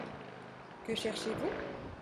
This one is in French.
Que cherchez-vous ?